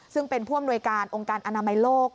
ซึ่งเป็นผู้อำนวยการองค์การอนามัยโลก